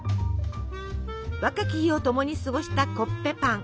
若き日を共に過ごしたコッペパン。